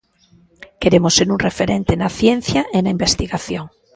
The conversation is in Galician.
Queremos ser un referente na ciencia e na investigación.